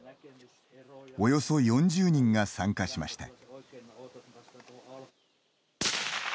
およそ４０人が参加しました。